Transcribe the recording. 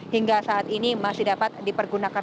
hingga saat ini masih dapat dipergunakan